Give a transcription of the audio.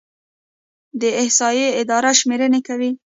د احصایې اداره شمیرنې کوي